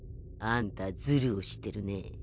あんたズルをしてるね。